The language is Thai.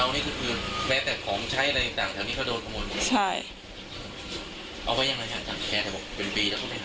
เอาไว้อย่างไรครับแค่ถ้าบอกเป็นปีแล้วก็ไม่หาย